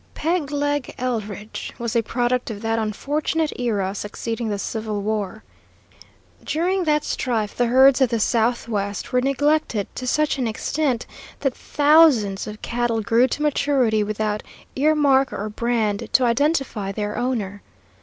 Peg Leg Eldridge was a product of that unfortunate era succeeding the civil war. During that strife the herds of the southwest were neglected to such an extent that thousands of cattle grew to maturity without ear mark or brand to identify their owner.